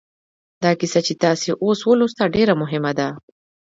دا کیسه چې تاسې اوس ولوسته ډېره مهمه ده